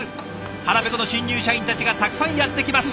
腹ペコの新入社員たちがたくさんやって来ます！